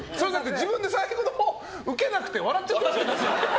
自分で最後のほうウケなくて笑っちゃってた。